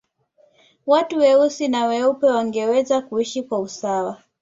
watu weusi na weupe wangeweza kuishi kwa usawa